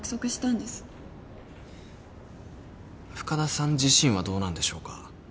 深田さん自身はどうなんでしょうか？